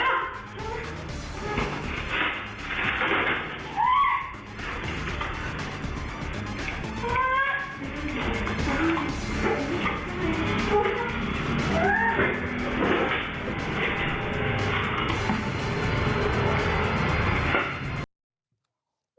ช่วยหน่อยช่วยหน่อยช่วยหน่อย